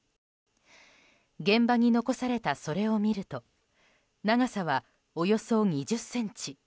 現場に残されたそれを見ると長さは、およそ２０ｃｍ。